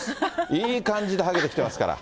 いい感じではげてきてますから。